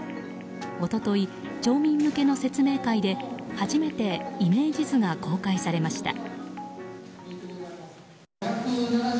一昨日、町民向けの説明会で初めてイメージ図が公開されました。